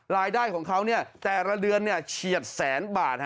รายได้ของเขาแต่ละเดือนเฉียดแสนบาท